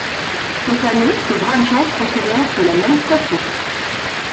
Cette année, ces braves gens procédèrent de la même façon.